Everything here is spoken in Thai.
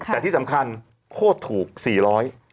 แต่ที่สำคัญโคตรถูก๔๐๐บาท